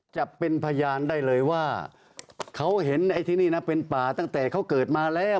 จะเป็นพยานได้เลยว่าเขาเห็นไอ้ที่นี่นะเป็นป่าตั้งแต่เขาเกิดมาแล้ว